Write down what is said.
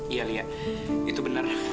iya li itu benar